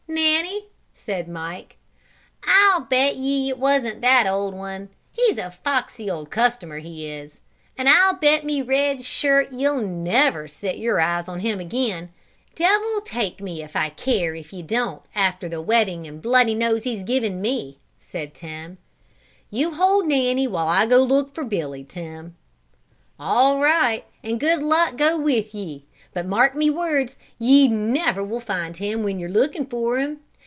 "Nanny," said Mike. "I'll bet ye it wasn't that old one; he's a foxy old customer, he is, and I'll bet me red shirt ye'll never set your eyes on him again. Devil take me if I care if ye don't after the wetting and bloody nose he's given me," said Tim. "You hold Nanny, while I go look for Billy, Tim." "All right and joy and good luck go with ye, but mark me words ye never will find him when you're looking for him.